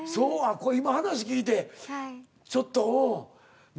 これ今話聞いてちょっとうん。